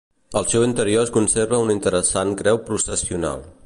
Al seu interior es conserva una interessant creu processional.